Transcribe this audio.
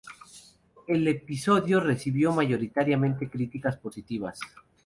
El episodio recibió mayoritariamente críticas positivas.